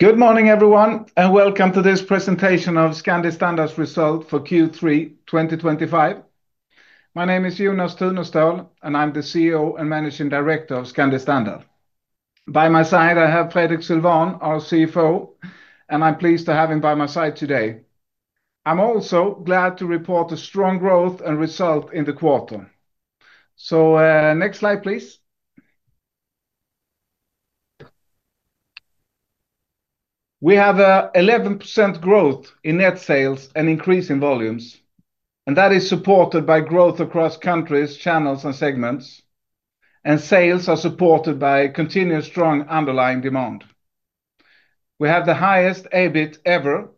Good morning, everyone, and welcome to this presentation of Scandi Standard's result for Q3 2025. My name is Jonas Tunestål, and I'm the CEO and Managing Director of Scandi Standard. By my side, I have Fredrik Sylwan, our CFO, and I'm pleased to have him by my side today. I'm also glad to report a strong growth and result in the quarter. Next slide, please. We have 11% growth in net sales and increase in volumes, and that is supported by growth across countries, channels, and segments. Sales are supported by continuous strong underlying demand. We have the highest EBIT ever,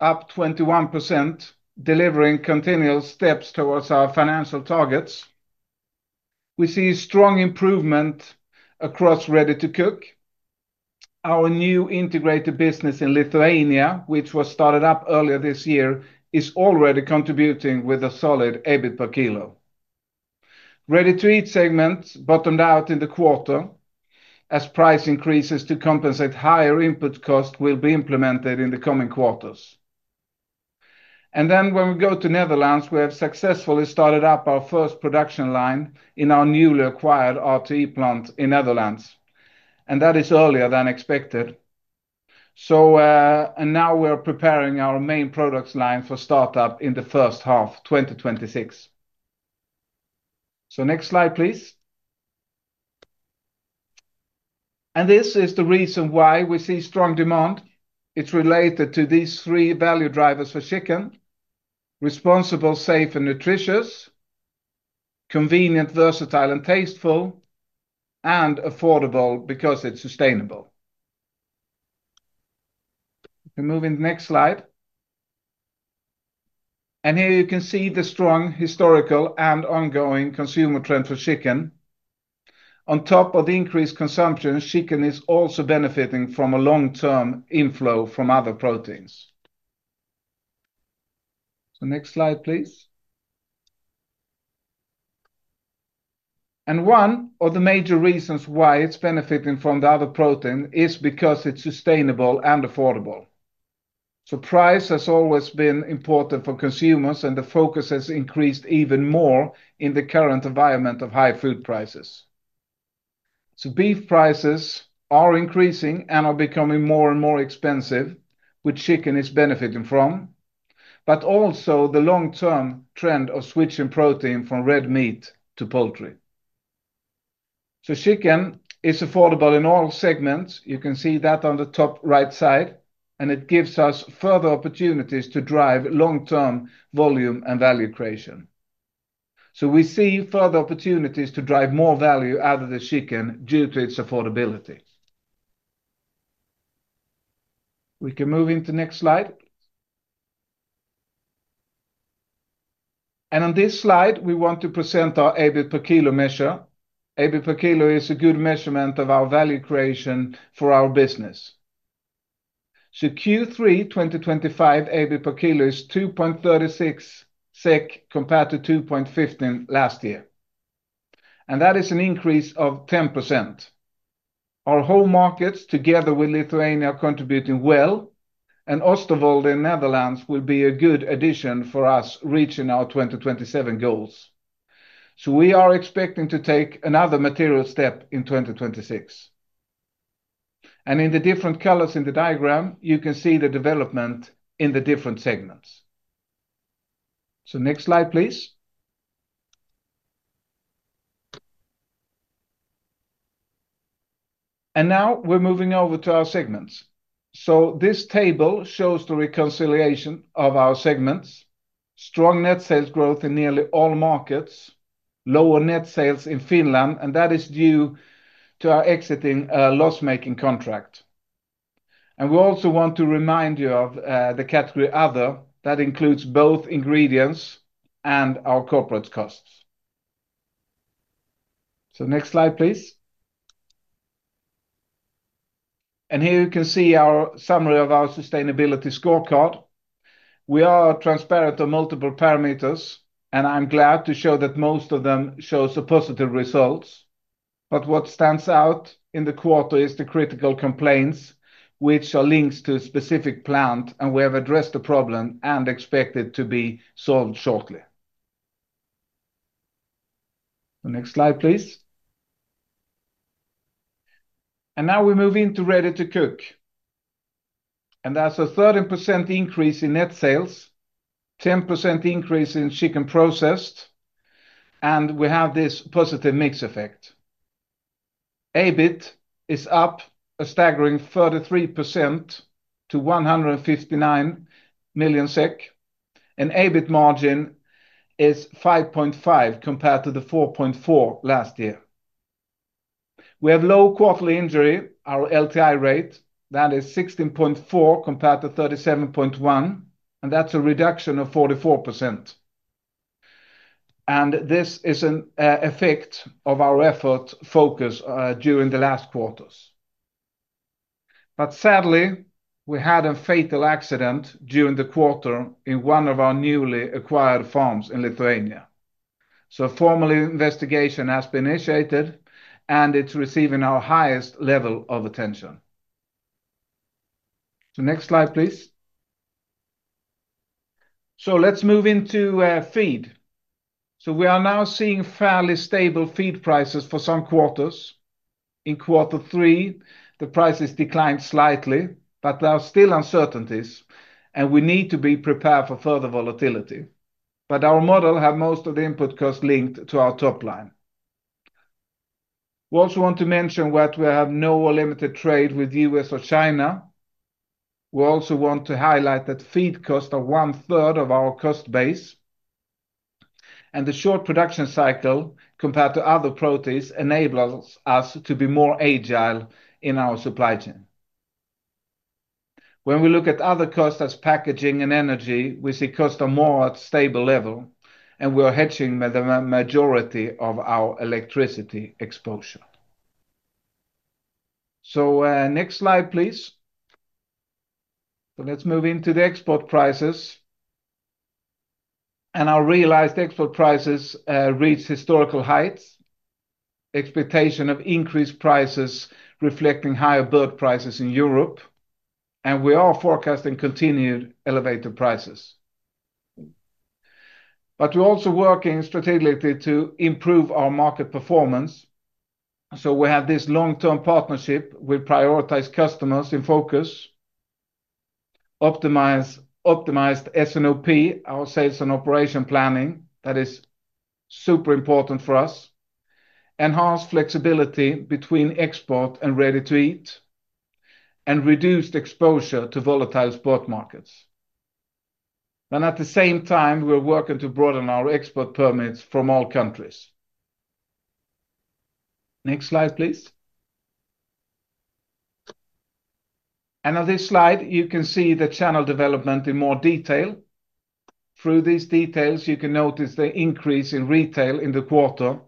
up 21%, delivering continual steps towards our financial targets. We see strong improvement across Ready-to-Cook. Our new integrated business in Lithuania, which was started up earlier this year, is already contributing with a solid EBIT per kg. Ready-to-Eat segment bottomed out in the quarter as price increases to compensate higher input costs will be implemented in the coming quarters. When we go to Netherlands, we have successfully started up our first production line in our newly acquired RTE plant in Oosterwolde, Netherlands, and that is earlier than expected. Now we're preparing our main products line for startup in the first half 2026. Next slide, please. This is the reason why we see strong demand. It's related to these three value drivers for chicken: responsible, safe, and nutritious; convenient, versatile, and tasteful; and affordable because it's sustainable. We can move in the next slide. Here you can see the strong historical and ongoing consumer trend for chicken. On top of the increased consumption, chicken is also benefiting from a long-term inflow from other proteins. Next slide, please. One of the major reasons why it's benefiting from the other protein is because it's sustainable and affordable. Price has always been important for consumers, and the focus has increased even more in the current environment of high food prices. Beef prices are increasing and are becoming more and more expensive, which chicken is benefiting from, but also the long-term trend of switching protein from red meat to poultry. Chicken is affordable in all segments. You can see that on the top right side, and it gives us further opportunities to drive long-term volume and value creation. We see further opportunities to drive more value out of the chicken due to its affordability. We can move into the next slide. On this slide, we want to present our EBIT per kg measure. EBIT per kg is a good measurement of our value creation for our business. Q3 2025 EBIT per kg is 2.36 SEK compared to 2.15 last year, and that is an increase of 10%. Our home markets, together with Lithuania, are contributing well, and Oosterwolde in the Netherlands will be a good addition for us reaching our 2027 goals. We are expecting to take another material step in 2026. In the different colors in the diagram, you can see the development in the different segments. Next slide, please. Now we're moving over to our segments. This table shows the reconciliation of our segments: strong net sales growth in nearly all markets, lower net sales in Finland, and that is due to our exiting loss-making contract. We also want to remind you of the category other. That includes both ingredients and our corporate costs. Next slide, please. Here you can see our summary of our sustainability scorecard. We are transparent on multiple parameters, and I'm glad to show that most of them show positive results. What stands out in the quarter is the critical complaints, which are linked to a specific plant, and we have addressed the problem and expect it to be solved shortly. Next slide, please. Now we move into Ready-to-Cook. That's a 13% increase in net sales, a 10% increase in chicken processed, and we have this positive mix effect. EBIT is up a staggering 33% to 159 million SEK, and EBIT margin is 5.5% compared to 4.4% last year. We have low quarterly injury, our LTI rate. That is 16.4 compared to 37.1, and that's a reduction of 44%. This is an effect of our effort focus during the last quarters. Sadly, we had a fatal accident during the quarter in one of our newly acquired farms in Lithuania. A formal investigation has been initiated, and it's receiving our highest level of attention. Next slide, please. Let's move into feed. We are now seeing fairly stable feed prices for some quarters. In quarter three, the prices declined slightly, but there are still uncertainties, and we need to be prepared for further volatility. Our model has most of the input costs linked to our top line. We also want to mention that we have no limited trade with the U.S. or China. We also want to highlight that feed costs are one third of our cost base, and the short production cycle compared to other proteins enables us to be more agile in our supply chain. When we look at other costs such as packaging and energy, we see costs are more at a stable level, and we are hedging the majority of our electricity exposure. Next slide, please. Let's move into the export prices. Our realized export prices reached historical heights. Expectation of increased prices reflecting higher bird prices in Europe, and we are forecasting continued elevated prices. We're also working strategically to improve our market performance. We have this long-term partnership. We prioritize customers in focus, optimized S&OP, our sales and operation planning. That is super important for us. Enhanced flexibility between export and Ready-to-Eat, and reduced exposure to volatile spot markets. At the same time, we're working to broaden our export permits from all countries. Next slide, please. On this slide, you can see the channel development in more detail. Through these details, you can notice the increase in retail in the quarter.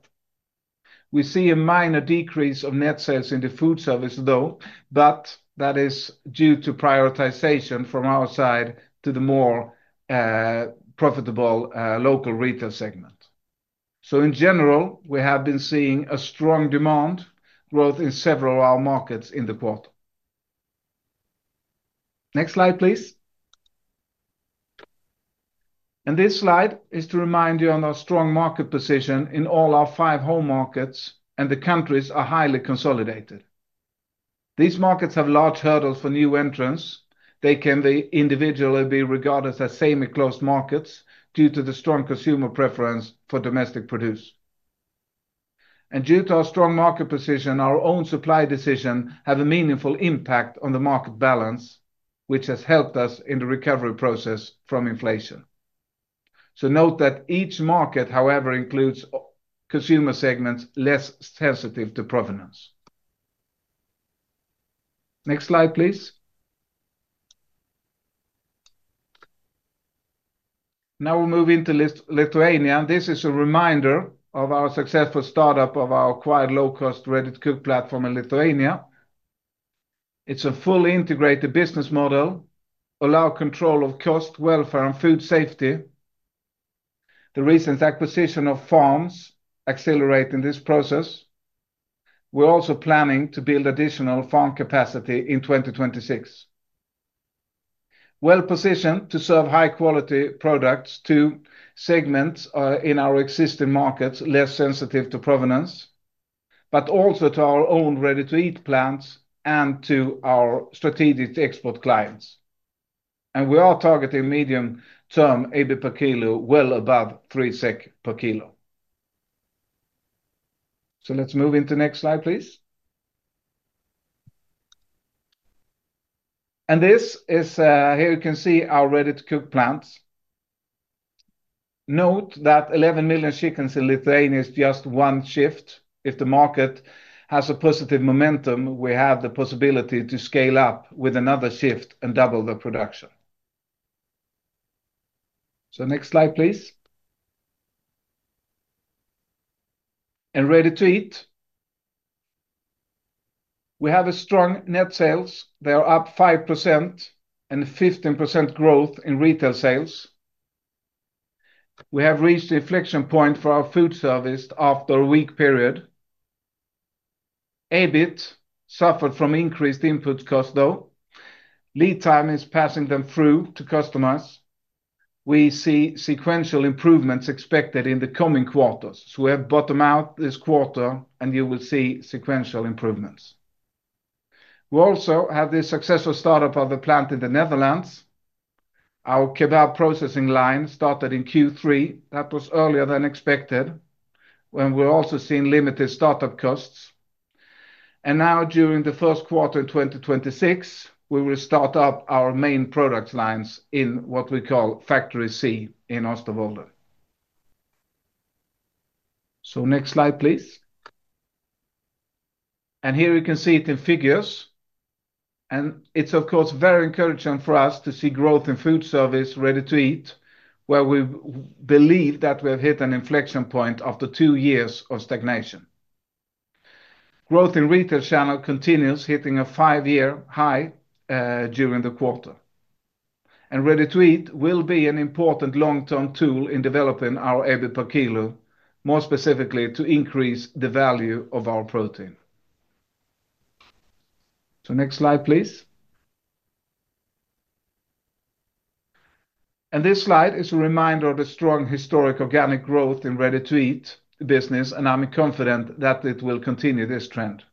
We see a minor decrease of net sales in the food service, though, but that is due to prioritization from our side to the more profitable local retail segment. In general, we have been seeing a strong demand growth in several of our markets in the quarter. Next slide, please. This slide is to remind you of our strong market position in all our five home markets, and the countries are highly consolidated. These markets have large hurdles for new entrants. They can individually be regarded as semi-closed markets due to the strong consumer preference for domestic produce. Due to our strong market position, our own supply decisions have a meaningful impact on the market balance, which has helped us in the recovery process from inflation. Note that each market, however, includes consumer segments less sensitive to provenance. Next slide, please. Now we'll move into Lithuania, and this is a reminder of our successful startup of our acquired low-cost Ready-to-Cook platform in Lithuania. It's a fully integrated business model, allowing control of cost, welfare, and food safety. The recent acquisition of farms accelerates this process. We're also planning to build additional farm capacity in 2026. Positioned to serve high-quality products to segments in our existing markets less sensitive to provenance, but also to our own Ready-to-Eat plants and to our strategic export clients. We are targeting medium-term EBIT per kg, well above SEK 3 per kg. Let's move into the next slide, please. Here you can see our Ready-to-Cook plants. Note that 11 million chickens in Lithuania is just one shift. If the market has a positive momentum, we have the possibility to scale up with another shift and double the production. Next slide, please. Ready-to-Eat. We have strong net sales. They are up 5% and 15% growth in retail sales. We have reached the inflection point for our food service after a weak period. EBIT suffered from increased input costs, though. Lead time is passing them through to customers. We see sequential improvements expected in the coming quarters. We have bottomed out this quarter, and you will see sequential improvements. We also have the successful startup of the plant in the Netherlands. Our kebab processing line started in Q3. That was earlier than expected, and we're also seeing limited startup costs. During the first quarter of 2026, we will start up our main product lines in what we call Factory C in Oosterwolde. Next slide, please. Here you can see it in figures. It is, of course, very encouraging for us to see growth in food service, Ready-to-Eat, where we believe that we have hit an inflection point after two years of stagnation. Growth in retail channel continues, hitting a five-year high during the quarter. Ready-to-Eat will be an important long-term tool in developing our EBIT per kg, more specifically to increase the value of our protein. Next slide, please. This slide is a reminder of the strong historic organic growth in Ready-to-Eat business, and I'm confident that it will continue this trend.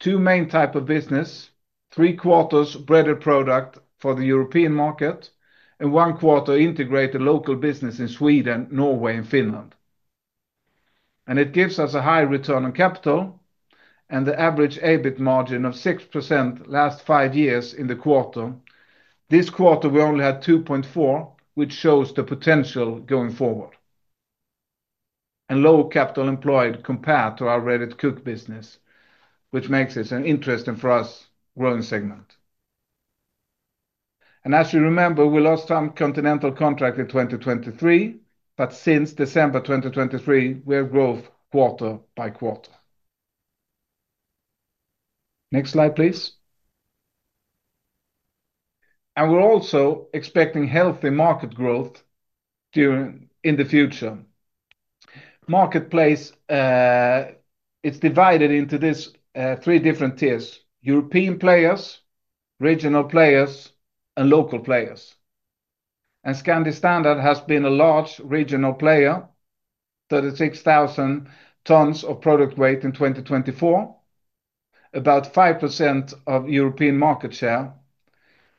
Two main types of business: three quarters breaded product for the European market, and one quarter integrated local business in Sweden, Norway, and Finland. It gives us a high return on capital and the average EBIT margin of 6% last five years in the quarter. This quarter, we only had 2.4%, which shows the potential going forward. Low capital employed compared to our Ready-to-Cook business makes this an interesting for us growing segment. As you remember, we lost some continental contracts in 2023, but since December 2023, we have grown quarter by quarter. Next slide, please. We are also expecting healthy market growth in the future. Marketplace is divided into these three different tiers: European players, regional players, and local players. Scandi Standard has been a large regional player, 36,000 tons of product weight in 2024, about 5% of European market share,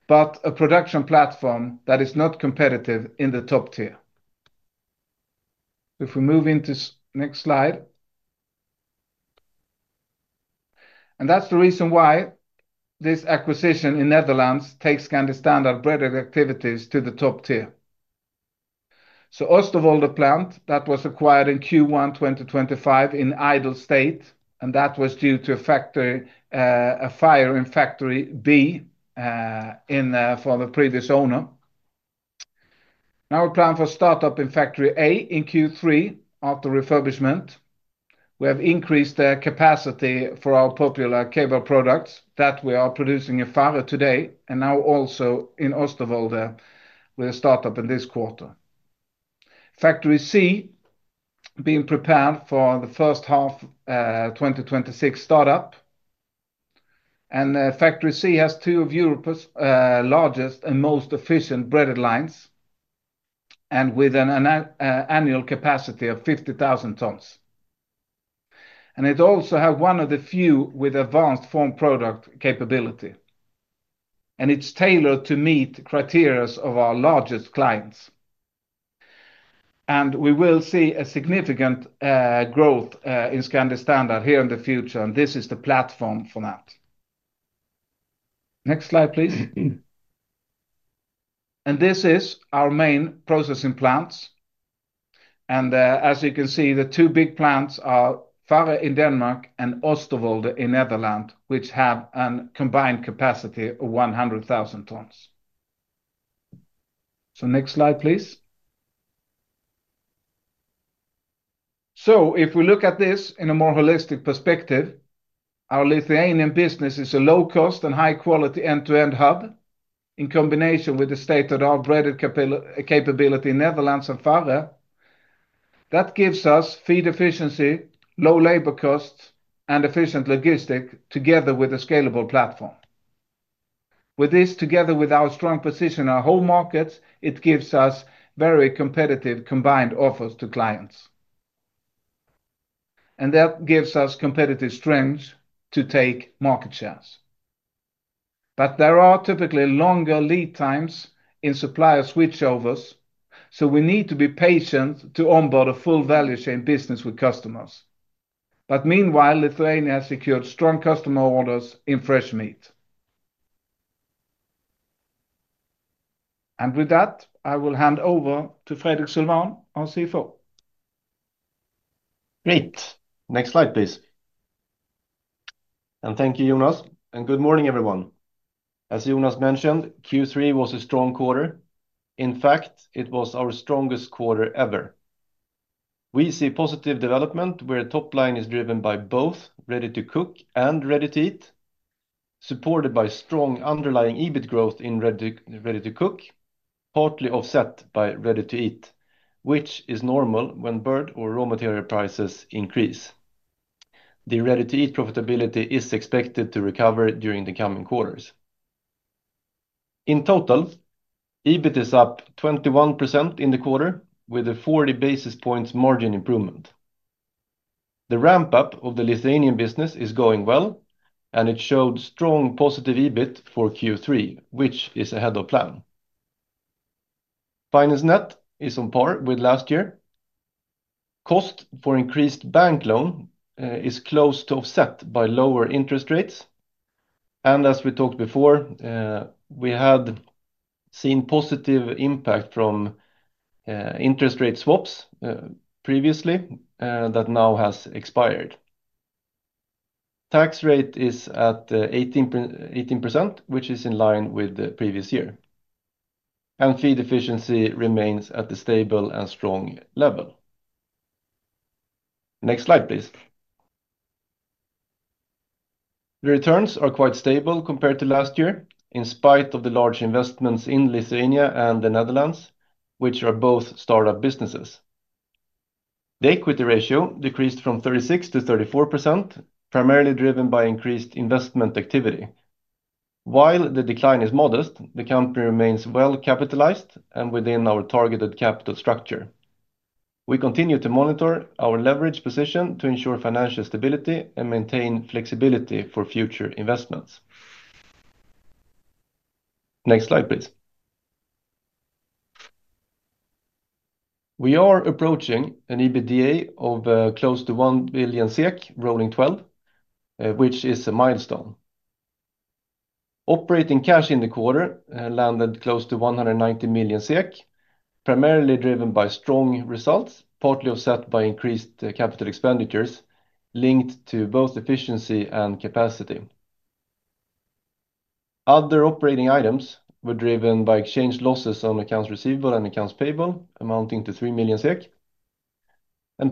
but a production platform that is not competitive in the top tier. If we move into the next slide. That is the reason why this acquisition in the Netherlands takes Scandi Standard breaded activities to the top tier. The Oosterwolde plant was acquired in Q1 2025 in idle state, and that was due to a fire in Factory B for the previous owner. We plan for a startup in Factory A in Q3 after refurbishment. We have increased the capacity for our popular kebab products that we are producing in Farø today, and now also in Oosterwolde with a startup in this quarter. Factory C is being prepared for the first half of 2026 startup. Factory C has two of Europe's largest and most efficient breaded lines, with an annual capacity of 50,000 tons. It also has one of the few with advanced form product capability. It is tailored to meet the criteria of our largest clients. We will see significant growth in Scandi Standard here in the future, and this is the platform for that. Next slide, please. These are our main processing plants. As you can see, the two big plants are Farø in Denmark and Oosterwolde in the Netherlands, which have a combined capacity of 100,000 tons. Next slide, please. If we look at this in a more holistic perspective, our Lithuanian business is a low-cost and high-quality end-to-end hub in combination with the state-of-the-art breaded capability in the Netherlands and Farø. That gives us feed efficiency, low labor costs, and efficient logistics together with a scalable platform. With this, together with our strong position in our home markets, it gives us very competitive combined offers to clients. That gives us competitive strength to take market shares. There are typically longer lead times in supplier switchovers, so we need to be patient to onboard a full value chain business with customers. Meanwhile, Lithuania has secured strong customer orders in fresh meat. With that, I will hand over to Fredrik Sylwan, our CFO. Great. Next slide, please. Thank you, Jonas, and good morning, everyone. As Jonas mentioned, Q3 was a strong quarter. In fact, it was our strongest quarter ever. We see positive development where the top line is driven by both Ready-to-Cook and Ready-to-Eat, supported by strong underlying EBIT growth in Ready-to-Cook, partly offset by Ready-to-Eat, which is normal when bird or raw material prices increase. The Ready-to-Eat profitability is expected to recover during the coming quarters. In total, EBIT is up 21% in the quarter with a 40 basis points margin improvement. The ramp-up of the Lithuanian business is going well, and it showed strong positive EBIT for Q3, which is ahead of plan. Finance net is on par with last year. Cost for increased bank loan is close to offset by lower interest rates. As we talked before, we had seen positive impact from interest rate swaps previously that now have expired. Tax rate is at 18%, which is in line with the previous year. Feed efficiency remains at a stable and strong level. Next slide, please. The returns are quite stable compared to last year, in spite of the large investments in Lithuania and the Netherlands, which are both startup businesses. The equity ratio decreased from 36%-34%, primarily driven by increased investment activity. While the decline is modest, the company remains well capitalized and within our targeted capital structure. We continue to monitor our leverage position to ensure financial stability and maintain flexibility for future investments. Next slide, please. We are approaching an EBITDA of close to 1 billion SEK, rolling 12, which is a milestone. Operating cash in the quarter landed close to 190 million SEK, primarily driven by strong results, partly offset by increased capital expenditures linked to both efficiency and capacity. Other operating items were driven by exchange losses on accounts receivable and accounts payable, amounting to 3 million SEK.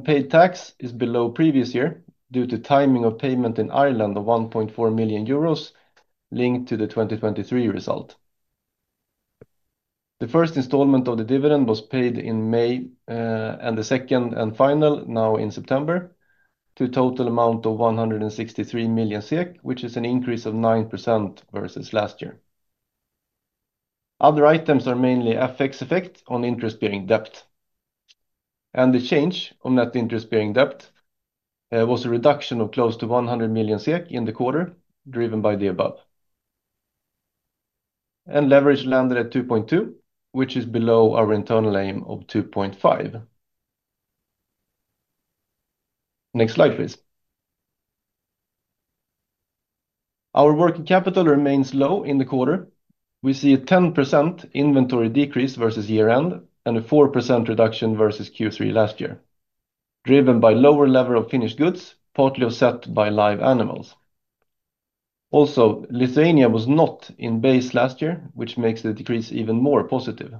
Paid tax is below previous year due to timing of payment in Ireland of 1.4 million euros, linked to the 2023 result. The first installment of the dividend was paid in May, and the second and final now in September, to a total amount of 163 million SEK, which is an increase of 9% versus last year. Other items are mainly FX effect on interest-bearing debt. The change on net interest-bearing debt was a reduction of close to 100 million SEK in the quarter, driven by the above. Leverage landed at 2.2, which is below our internal aim of 2.5. Next slide, please. Our working capital remains low in the quarter. We see a 10% inventory decrease versus year-end and a 4% reduction versus Q3 last year, driven by a lower level of finished goods, partly offset by live animals. Lithuania was not in base last year, which makes the decrease even more positive.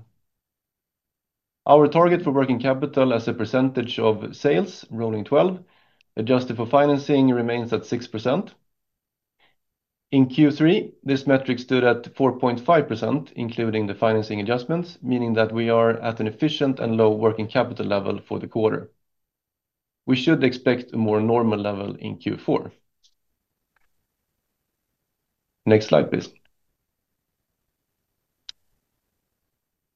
Our target for working capital as a percentage of sales, rolling 12, adjusted for financing remains at 6%. In Q3, this metric stood at 4.5%, including the financing adjustments, meaning that we are at an efficient and low working capital level for the quarter. We should expect a more normal level in Q4. Next slide, please.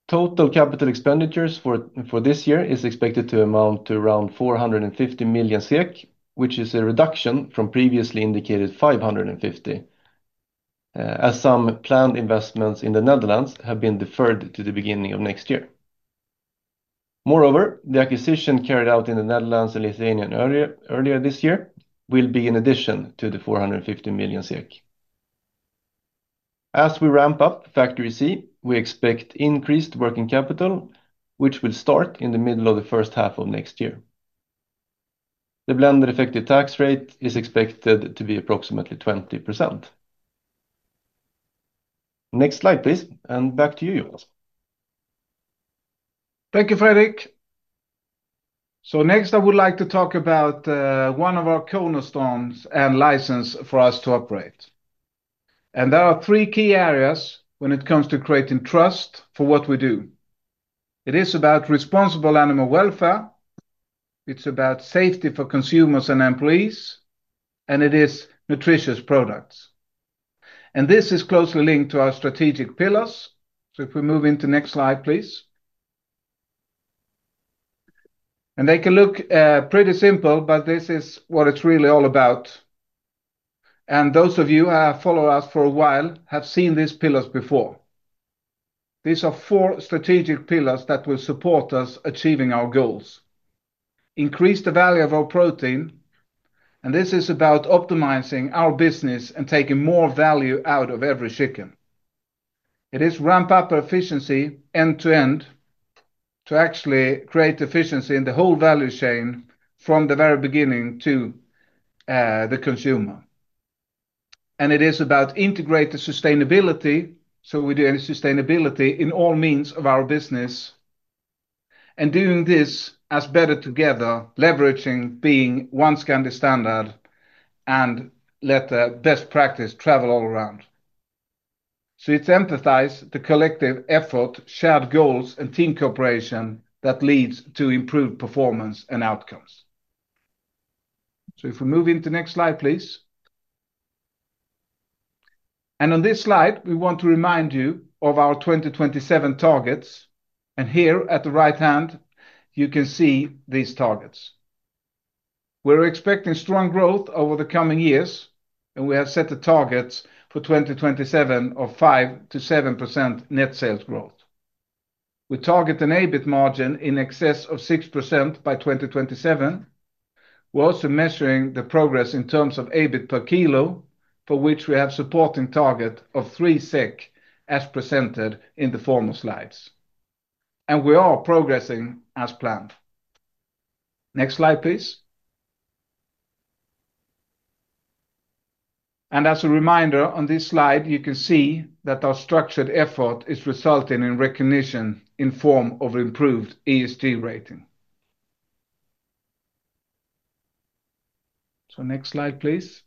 Total capital expenditures for this year are expected to amount to around 450 million SEK, which is a reduction from previously indicated 550 million, as some planned investments in the Netherlands have been deferred to the beginning of next year. Moreover, the acquisition carried out in the Netherlands and Lithuania earlier this year will be in addition to the 450 million. As we ramp up Factory C, we expect increased working capital, which will start in the middle of the first half of next year. The blended effective tax rate is expected to be approximately 20%. Next slide, please, and back to you, Jonas. Thank you, Fredrik. Next, I would like to talk about one of our cornerstones and license for us to operate. There are three key areas when it comes to creating trust for what we do. It is about responsible animal welfare, safety for consumers and employees, and nutritious products. This is closely linked to our strategic pillars. If we move into the next slide, please. They can look pretty simple, but this is what it's really all about. Those of you who have followed us for a while have seen these pillars before. These are four strategic pillars that will support us achieving our goals. Increase the value of our protein, and this is about optimizing our business and taking more value out of every chicken. It is ramp up our efficiency end-to-end to actually create efficiency in the whole value chain from the very beginning to the consumer. It is about integrated sustainability, so we do any sustainability in all means of our business. Doing this as better together, leveraging being one Scandi Standard and let the best practice travel all around. It emphasizes the collective effort, shared goals, and team cooperation that leads to improved performance and outcomes. If we move into the next slide, please. On this slide, we want to remind you of our 2027 targets. Here at the right hand, you can see these targets. We're expecting strong growth over the coming years, and we have set the targets for 2027 of 5%-7% net sales growth. We target an EBIT margin in excess of 6% by 2027. We're also measuring the progress in terms of EBIT per kg, for which we have a supporting target of 3 SEK as presented in the former slides. We are progressing as planned. Next slide, please. As a reminder, on this slide, you can see that our structured effort is resulting in recognition in form of improved ESG rating. Next slide, please.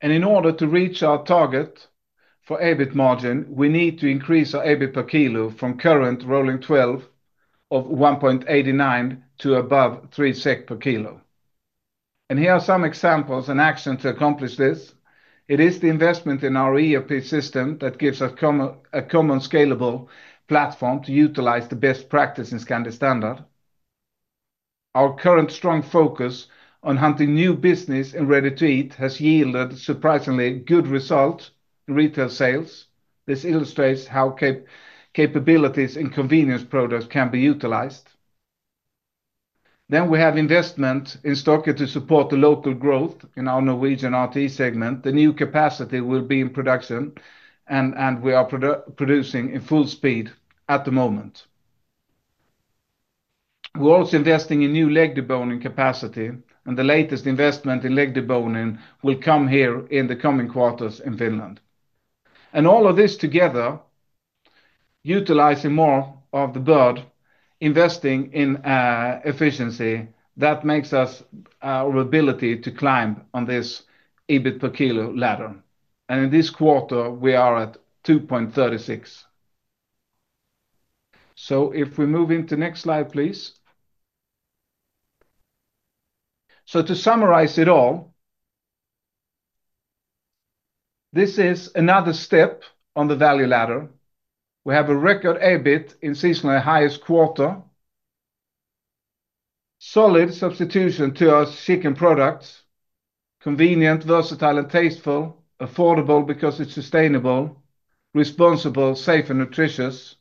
In order to reach our target for EBIT margin, we need to increase our EBIT per kg from current rolling 12 of 1.89 to above 3 SEK per kg. Here are some examples and actions to accomplish this. It is the investment in our ERP system that gives us a common scalable platform to utilize the best practice in Scandi Standard. Our current strong focus on hunting new business in ready-to-eat has yielded surprisingly good results in retail sales. This illustrates how capabilities and convenience products can be utilized. We have investment in Stokke to support the local growth in our Norwegian Ready-to-Eat segment. The new capacity will be in production, and we are producing in full speed at the moment. We're also investing in new leg deboning capacity, and the latest investment in leg deboning will come here in the coming quarters in Finland. All of this together, utilizing more of the bird, investing in efficiency that makes us our ability to climb on this EBIT per kg ladder. In this quarter, we are at 2.36 per kg. If we move into the next slide, please. To summarize it all, this is another step on the value ladder. We have a record EBIT in seasonal highest quarter. Solid substitution to our chicken products. Convenient, versatile, and tasteful. Affordable because it's sustainable. Responsible, safe, and nutritious.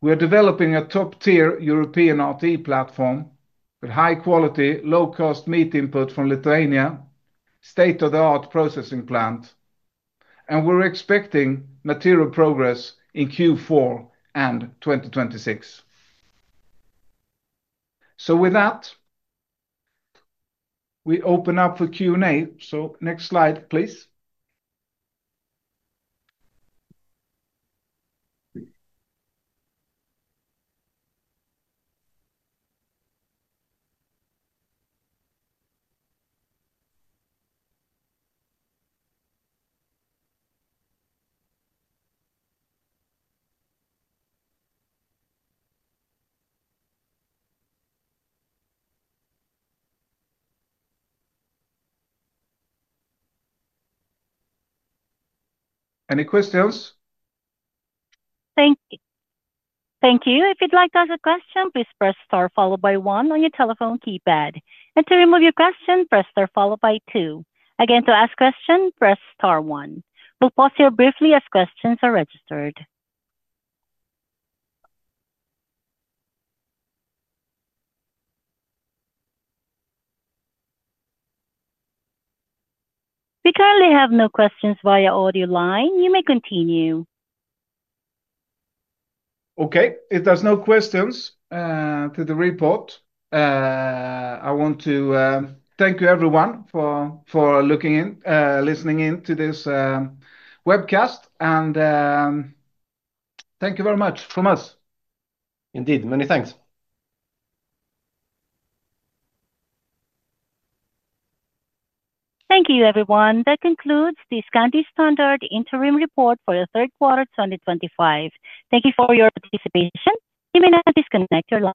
We are developing a top-tier European Ready-to-Eat platform with high-quality, low-cost meat input from Lithuania, state-of-the-art processing plant. We're expecting material progress in Q4 and 2026. With that, we open up for Q&A. Next slide, please. Any questions? Thank you. If you'd like to ask a question, please press star followed by one on your telephone keypad. To remove your question, press star followed by two. Again, to ask a question, press star one. We'll pause here briefly as questions are registered. We currently have no questions via audio line. You may continue. Okay. If there's no questions to the report, I want to thank you everyone for listening in to this webcast. Thank you very much from us. Indeed. Many thanks. Thank you, everyone. That concludes the Scandi Standard interim report for the third quarter 2025. Thank you for your participation. You may now disconnect.